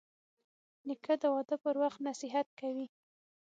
نیکه د واده پر وخت نصیحت کوي.